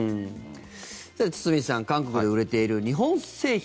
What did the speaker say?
さて堤さん韓国で売れている日本製品。